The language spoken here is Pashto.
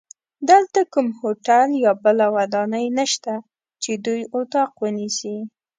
دلته کوم هوټل یا بله ودانۍ نشته چې دوی اتاق ونیسي.